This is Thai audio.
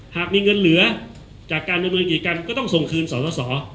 หากมีเงินเหลือจากการดำเนินกิจกันก็ต้องส่งคืนสส